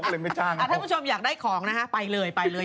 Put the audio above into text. พี่โจมอยากได้ของไปเลย